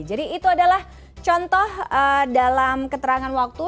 jadi itu adalah contoh dalam keterangan waktu